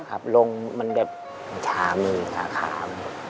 ขับล่วงมันแบบชามือขาขาม